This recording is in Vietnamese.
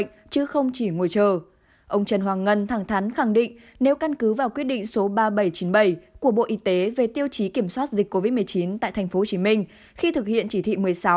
trong một bộ y tế về tiêu chí kiểm soát dịch covid một mươi chín tại tp hcm khi thực hiện chỉ thị một mươi sáu